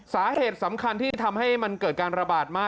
สาเหตุสำคัญที่ทำให้มันเกิดการระบาดมาก